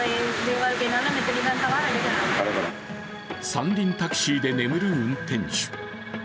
三輪タクシーで眠る運転手。